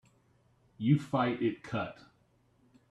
You fight it cut.